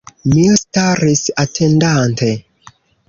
Mi staris, atendante.